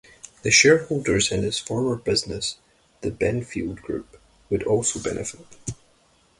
The shareholders in his former business, The Benfield Group, would also benefit.